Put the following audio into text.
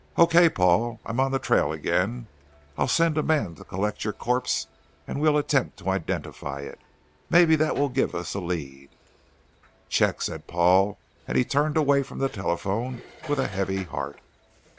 "Okay, Paul. I'm on the trail again. I'll send a man to collect your corpse and we'll attempt to identify it. Maybe that will give us a lead." "Check," said Paul, and he turned away from the telephone with a heavy heart.